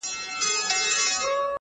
کيسه د ټولني نقد دی ښکاره،